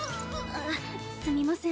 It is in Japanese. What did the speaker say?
あっすみません